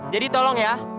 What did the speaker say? jadi tolong ya